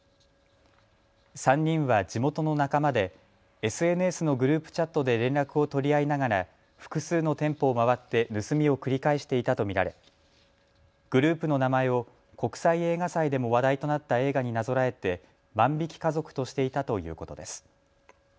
３人は地元の仲間でＳＮＳのグループチャットで連絡を取り合いながら複数の店舗を回って盗みを繰り返していたと見られグループの名前を国際映画祭でも話題となった映画になぞらえて万引き家族としていたということです。